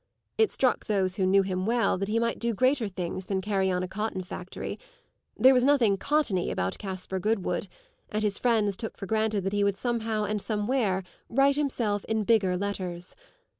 It struck those who knew him well that he might do greater things than carry on a cotton factory; there was nothing cottony about Caspar Goodwood, and his friends took for granted that he would somehow and somewhere write himself in bigger letters.